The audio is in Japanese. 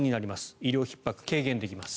医療ひっ迫を軽減できます。